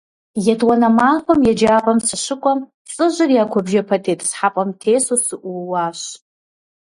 ЕтӀуанэ махуэм еджапӏэм сыщыкӀуэм, лӀыжьыр я куэбжэпэ тетӀысхьэпӀэм тесу сыӀууащ.